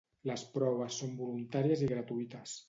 Les proves són voluntàries i gratuïtes.